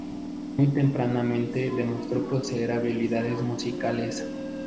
Muy tempranamente demostró poseer habilidades musicales.